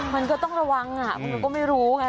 มันก็ต้องระวังมันก็ไม่รู้ไง